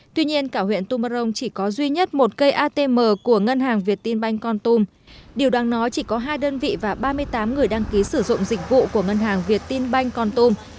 tuy nhiên cả huyện tumorong chỉ có duy nhất một cây atm của ngân hàng việt tin banh con tum điều đáng nói chỉ có hai đơn vị và ba mươi tám người đăng ký sử dụng dịch vụ của ngân hàng việt tin banh con tum